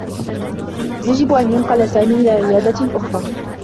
يجب أن يُنقل سامي إلى عيادة أخرى.